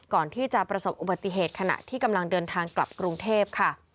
ก่อนที่จะประสบอุบัติเหตุขณะที่กำลังเดินทางกลับกรุงเทพค่ะ